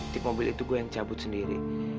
tip mobil itu gue yang cabut sendiri